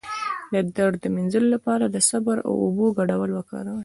د درد د مینځلو لپاره د صبر او اوبو ګډول وکاروئ